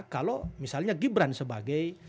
kalau misalnya gibran sebagai